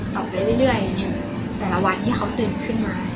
แต่เรื่อยแต่ละวันที่เขาตื่นขึ้นมา